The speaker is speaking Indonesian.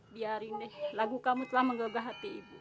biarin deh lagu kamu telah menggegah hati ibu